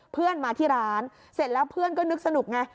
เพื่อนมาที่ร้านเสร็จแล้วเพื่อนก็นึกสนุกไง